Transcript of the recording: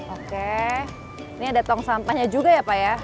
oke ini ada tong sampahnya juga ya pak ya